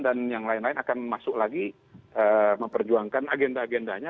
dan yang lain lain akan masuk lagi memperjuangkan agenda agendanya